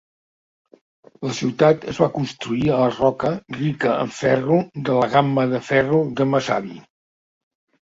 La ciutat es va construir a la roca rica en ferro de la gamma de ferro de Mesabi.